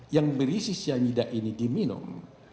yang berisi cyanida ini diminum